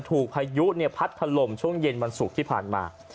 พายุพัดถล่มช่วงเย็นวันศุกร์ที่ผ่านมา